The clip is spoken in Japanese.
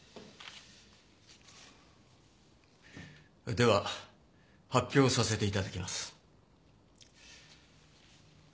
では発表させていただきます。